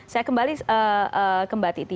saya kembali ke mbak titi